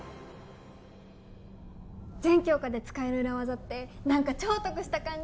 全教科で使える裏技って何か超得した感じ！